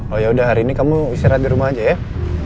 oh yaudah hari ini kamu istirahat di rumah aja ya